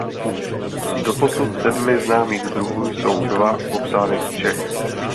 Z doposud sedmi známých druhů jsou dva popsány z Čech.